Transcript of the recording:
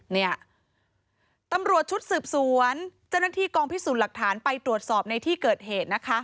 เนี่ยตำรวจชุดสืบสวนเจ้าหน้าที่กองพิสูจน์หลักฐานไปตรวจสอบในที่เกิดเหตุนะคะ